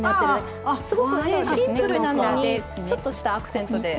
すごくシンプルなのにちょっとしたアクセントで。